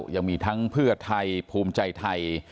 ยังมีทั้งเพื่อไทยภูมิใจไทย